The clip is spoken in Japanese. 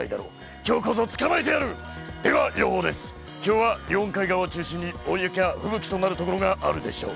きょうは日本海側を中心に、大雪や吹雪となる所があるでしょう。